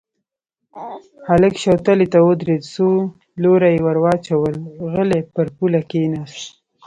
هلک شوتلې ته ودرېد، څو لوره يې ور واچول، غلی پر پوله کېناست.